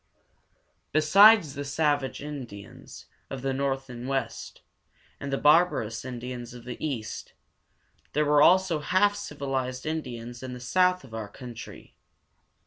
Besides the savage Indians of the north and west, and the barbarous Indians of the east, there were also half civilized Indians in the south of our country.